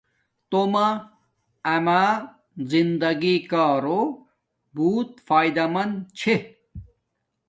تومہ اما زندگی کارو بوت فاݵدامند چھے